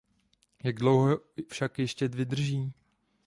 Jak dlouho však ještě vydrží?